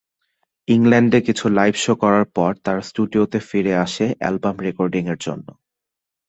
ইংল্যান্ড-এ কিছু live show করার পর তারা স্টুডিওতে ফিরে আসে অ্যালবাম রেকর্ডিংয়ের জন্য।